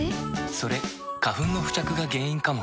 それ花粉の付着が原因かも。